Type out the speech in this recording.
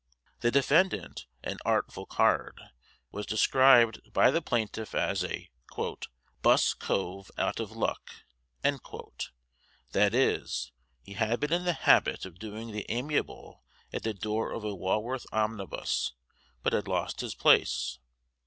The defendant, an "artful card," was described by the plaintiff as a "'buss cove out of luck," that is, he had been in the habit of doing the amiable at the door of a Walworth omnibus, but had lost his place.